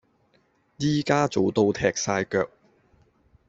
依家做到踢曬腳